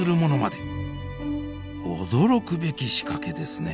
驚くべき仕掛けですね。